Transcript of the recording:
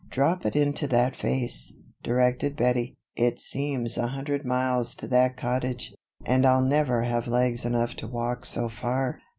"Drop it into that vase," directed Bettie. "It seems a hundred miles to that cottage, and I'll never have legs enough to walk so far."